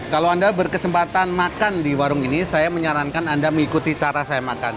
kalau anda berkesempatan makan di warung ini saya menyarankan anda mengikuti cara saya makan